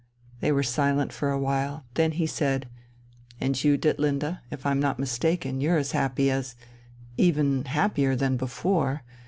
They were silent for a while. Then he said: "And you, Ditlinde, if I'm not mistaken you're as happy as, even happier than, before.